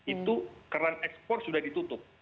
itu keran ekspor sudah ditutup